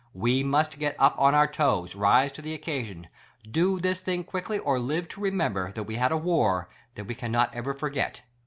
We must get up on our toes ; rise to the occasion ; do this thing quickly or live to remem'ber that we had a WAR that we cannot ever forget.